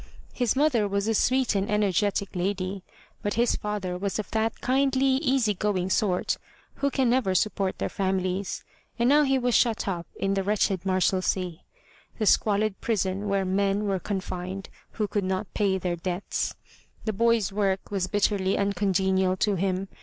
His mother was a sweet and energetic lady, but his father was of that kindly, easy going sort who can never support their families, and now he was shut up in the wretched Marshalsea, the squalid prison where men were confined who could not pay their debts. The boy's work was bitterly uncongenial to him.